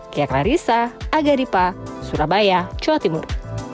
kia klara rissa aga ripa surabaya jawa timur